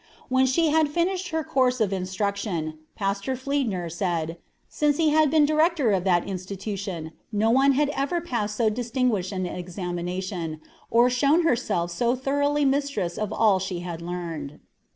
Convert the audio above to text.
When she had finished her course of instruction, Pastor Fliedner said, since he had been director of that institution no one had ever passed so distinguished an examination, or shown herself so thoroughly mistress of all she had learned.